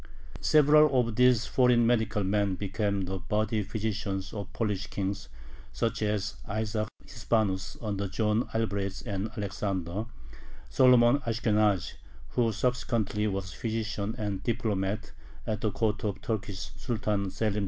Several of these foreign medical men became the body physicians of Polish kings, such as Isaac Hispanus under John Albrecht and Alexander; Solomon Ashkenazi (who subsequently was physician and diplomat at the court of the Turkish Sultan Selim II.)